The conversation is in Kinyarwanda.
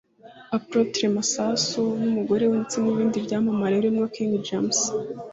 Apotre Masasu n’umugore we ndetse n’ibindi byamamare birimo King James